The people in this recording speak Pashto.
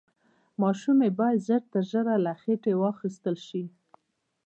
ماشوم يې بايد ژر تر ژره له خېټې واخيستل شي.